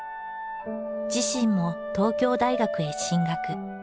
自身も東京大学へ進学。